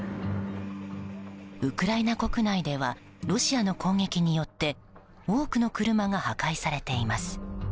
ウクライナ国内ではロシアの攻撃によって多くの車が破壊されています。